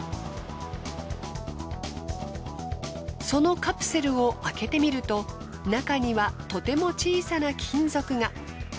そのカプセルを開けてみると中にはとても小さな金属が。